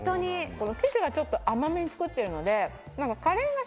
この生地がちょっと甘めに作ってるので。